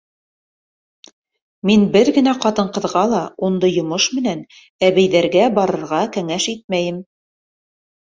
Мин бер генә ҡатын-ҡыҙға ла ундай йомош менән әбейҙәргә барырға кәңәш итмәйем.